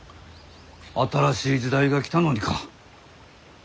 新しい時代が来たのにか？